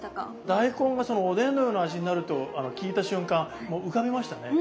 大根がおでんのような味になると聞いた瞬間浮かびましたね。